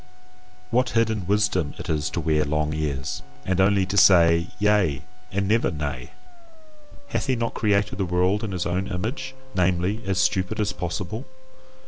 What hidden wisdom it is to wear long ears, and only to say Yea and never Nay! Hath he not created the world in his own image, namely, as stupid as possible?